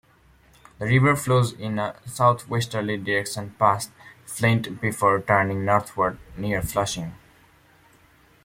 The river flows in a southwesterly direction past Flint before turning northward near Flushing.